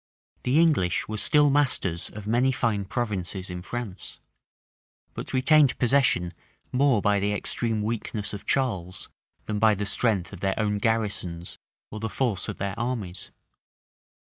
The English were still masters of many fine provinces in France; but retained possession more by the extreme weakness of Charles, than by the strength of their own garrisons or the force of their armies.